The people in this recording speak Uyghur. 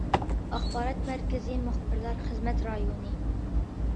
ئاخبارات مەركىزى مۇخبىرلار خىزمەت رايونى.